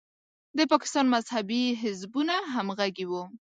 د پاکستان مذهبي حزبونه همغږي وو.